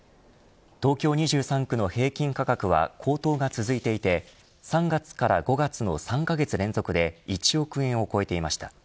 東京２３区の平均価格は高騰が続いていて３月から５月の３カ月連続で１億円を超えていました。